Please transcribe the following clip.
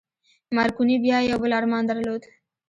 مارکوني بيا يو بل ارمان درلود.